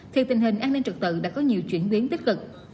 thì tình hình an ninh trực tự đã có nhiều chuyển biến tích cực